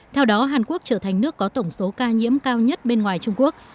theo đó hàn quốc trở thành nước có tổng số ca nhiễm cao nhất bên ngoài trung quốc